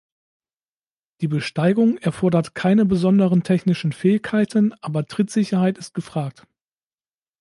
Die Besteigung erfordert keine besonderen technischen Fähigkeiten, aber Trittsicherheit ist gefragt.